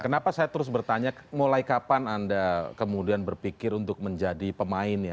kenapa saya terus bertanya mulai kapan anda kemudian berpikir untuk menjadi pemain ya